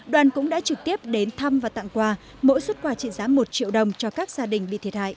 đoàn cũng đã trực tiếp đến thăm và tặng quà mỗi xuất quà trị giá một triệu đồng cho các gia đình bị thiệt hại